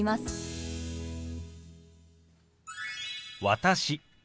「私」